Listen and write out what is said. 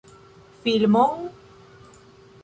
Filmon?